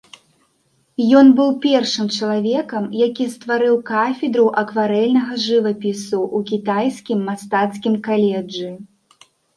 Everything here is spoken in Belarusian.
Ён быў першым чалавекам, які стварыў кафедру акварэльнага жывапісу ў кітайскім мастацкім каледжы.